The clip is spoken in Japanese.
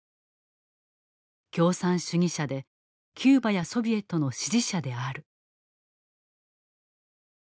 「共産主義者でキューバやソビエトの支持者である」。